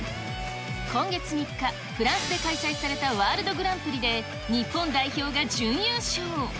今月３日、フランスで開催されたワールドグランプリで日本代表が準優勝。